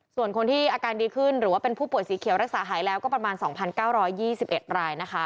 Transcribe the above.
ส่วนคนที่อาการดีขึ้นหรือว่าเป็นผู้ป่วยสีเขียวรักษาหายแล้วก็ประมาณ๒๙๒๑รายนะคะ